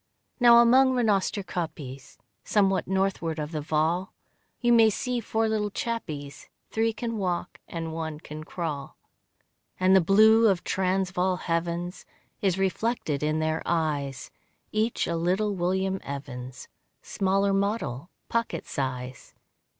Now among Rhenoster kopjes Somewhat northward of the Vaal, You may see four little chappies, Three can walk and one can crawl. And the blue of Transvaal heavens Is reflected in their eyes, Each a little William Evans, Smaller model pocket size.